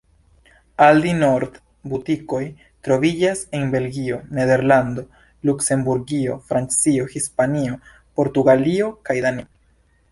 Aldi-Nord butikoj troviĝas en Belgio, Nederlando, Luksemburgio, Francio, Hispanio, Portugalio kaj Danio.